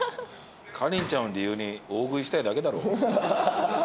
かりんちゃんを理由に大食いしたいだけだろ。